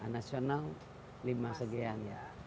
nasional lima sekian